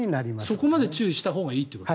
そこまで注意したほうがいいと。